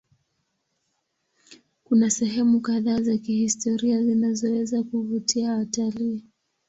Kuna sehemu kadhaa za kihistoria zinazoweza kuvutia watalii.